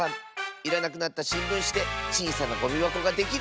いらなくなったしんぶんしでちいさなゴミばこができる！